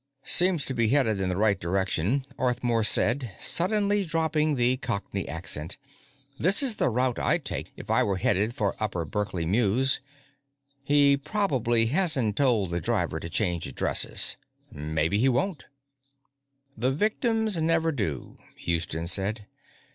"Seems to be headed in the right direction," Arthmore said, suddenly dropping the Cockney accent. "This is the route I'd take if I were headed for Upper Berkeley Mews. He probably hasn't told the driver to change addresses maybe he won't." "The victims never do," Houston said.